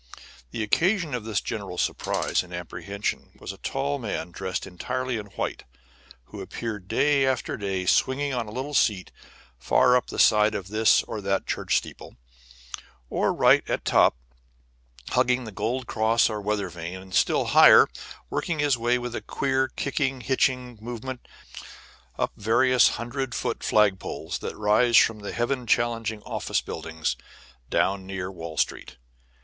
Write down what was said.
The occasion of this general surprise and apprehension was a tall man dressed entirely in white, who appeared day after day swinging on a little seat far up the side of this or that church steeple, or right at the top, hugging the gold cross or weather vane, or, higher still, working his way, with a queer, kicking, hitching movement, up various hundred foot flagpoles that rise from the heaven challenging office buildings down near Wall Street.